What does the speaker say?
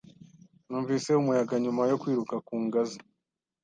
Numvise umuyaga nyuma yo kwiruka ku ngazi.